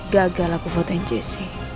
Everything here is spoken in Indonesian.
gagal aku fotokan jessy